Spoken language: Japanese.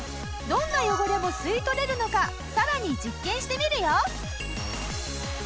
どんな汚れも吸い取れるのかさらに実験してみるよ！